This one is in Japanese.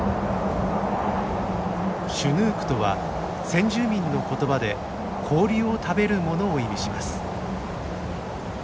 「シュヌーク」とは先住民の言葉で「氷を食べる者」を意味します。